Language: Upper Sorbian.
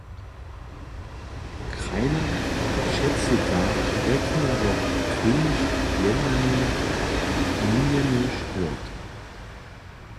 Krajna předsydka rjekny po prěnich jednanjach minjeny štwórtk.